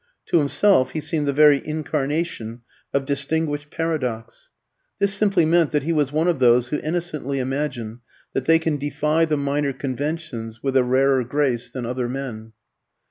To himself he seemed the very incarnation of distinguished paradox. This simply meant that he was one of those who innocently imagine that they can defy the minor conventions with a rarer grace than other men.